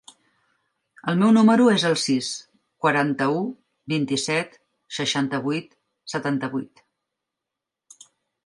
El meu número es el sis, quaranta-u, vint-i-set, seixanta-vuit, setanta-vuit.